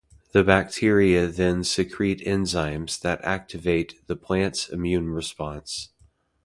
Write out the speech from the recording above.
The bacteria then secrete enzymes that activate the plant’s immune response.